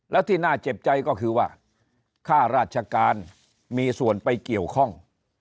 แล้วที่น่าเจ็บใจก็คือว่าค่าราชการมีส่วนไปเกี่ยวข้อง